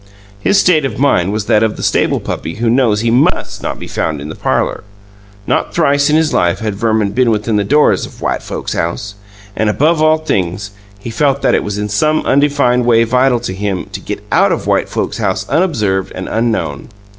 His state of mind was that of the stable puppy who knows he MUST not be found in the parlour. Not thrice in his life had Verman been within the doors of White Folks' House, and, above all things, he felt that it was in some undefined way vital to him to get out of White Folks' House unobserved and unknown.